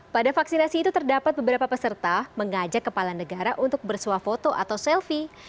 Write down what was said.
pada vaksinasi itu terdapat beberapa peserta mengajak kepala negara untuk bersuah foto atau selfie